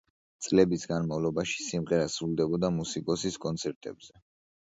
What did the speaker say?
წლების განმავლობაში სიმღერა სრულდებოდა მუსიკოსის კონცერტებზე.